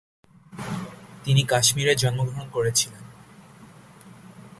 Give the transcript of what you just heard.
তিনি কাশ্মীরে জন্মগ্রহণ করেছিলেন।